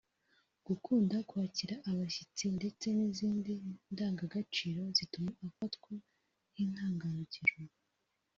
gukunda kwakira abashyitsi ndetse n’izindi ndangagaciro zituma afatwa nk’intangarugero